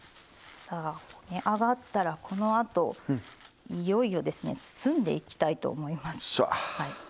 ねあがったら、このあといよいよ包んでいきたいと思います。